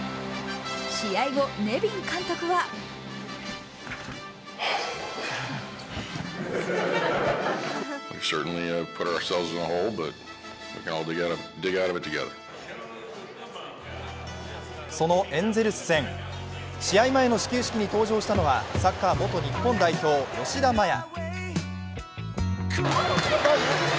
試合後、ネビン監督はそのエンゼルス戦、試合前の始球式に登場したのはサッカー元日本代表・吉田麻也。